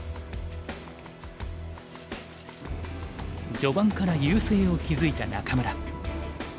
序盤から優勢を築いた仲邑。